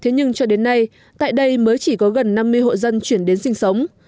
thế nhưng cho đến nay tại đây mới chỉ có gần năm mươi hộ dân chuyển đến sinh sống